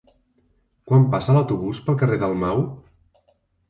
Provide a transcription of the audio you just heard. Quan passa l'autobús pel carrer Dalmau?